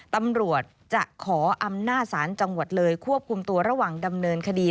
ตำรวจจะขออำนาจศาลจังหวัดเลยควบคุมตัวระหว่างดำเนินคดี